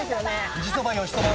富士そば吉そば